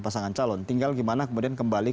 pasangan calon tinggal gimana kemudian kembali